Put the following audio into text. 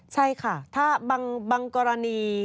ใช่ค่ะถ้าบางกรณี